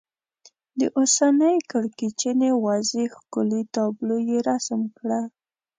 د اوسنۍ کړکېچنې وضعې ښکلې تابلو یې رسم کړه.